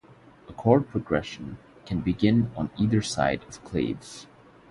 A chord progression can begin on either side of clave.